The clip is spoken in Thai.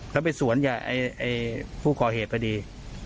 เขาไปสวนไหนไอพูดก่อเหตุอะไรดี